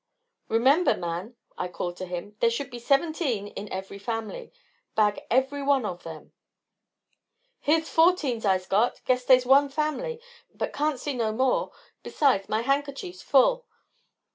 "Remember, man," I called to him, "there should be seventeen in every family; bag every one of them." "Here's fourteen Ise got, guess dey's one family, but can't see no more; besides my handkerchief's full.